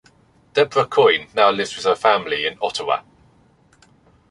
Deborah Coyne now lives with her family in Ottawa.